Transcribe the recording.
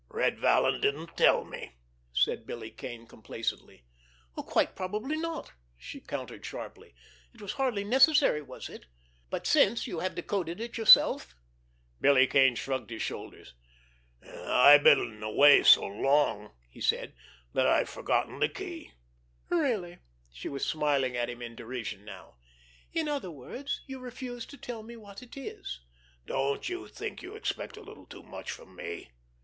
"Red Vallon didn't tell me," said Billy Kane complacently. "Quite probably not!" she countered sharply. "It was hardly necessary, was it? But since you have decoded it yourself?" Billy Kane shrugged his shoulders. "I've been away so long," he said, "that I've forgotten the key." "Really!" She was smiling at him in derision now. "In other words, you refuse to tell me what it is." "Don't you think you expect a little too much from me?"